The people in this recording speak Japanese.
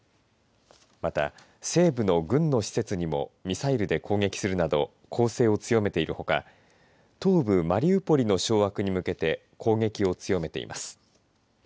また西部の軍の施設にもミサイルで攻撃するなど攻勢を強めているほか東部マリウポリの掌握に向けて攻撃を強めています。